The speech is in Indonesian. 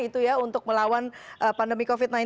itu ya untuk melawan pandemi covid sembilan belas